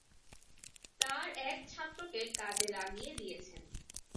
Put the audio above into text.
তাঁর এক ছাত্রকে কাজে লাগিয়ে দিয়েছেন।